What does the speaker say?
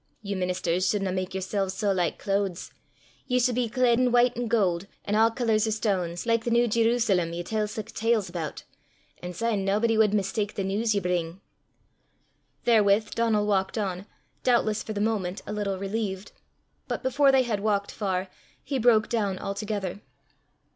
You ministers sudna mak yersels sae like cloods. Ye sud be cled in white an' gowd, an' a' colours o' stanes, like the new Jerooslem ye tell sic tales aboot, an' syne naebody wad mistak the news ye bring." Therewith Donal walked on, doubtless for the moment a little relieved. But before they had walked far, he broke down altogether.